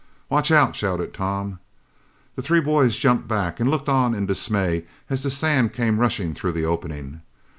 "Watch out!" shouted Tom. The three boys jumped back and looked on in dismay as the sand came rushing through the opening.